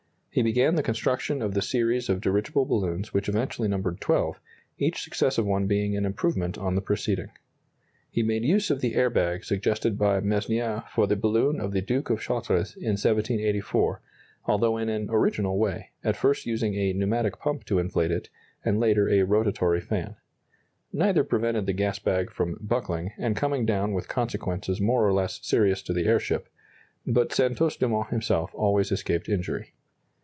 He began the construction of the series of dirigible balloons which eventually numbered 12, each successive one being an improvement on the preceding. He made use of the air bag suggested by Meusnier for the balloon of the Duke of Chartres in 1784, although in an original way, at first using a pneumatic pump to inflate it, and later a rotatory fan. Neither prevented the gas bag from "buckling" and coming down with consequences more or less serious to the airship but Santos Dumont himself always escaped injury.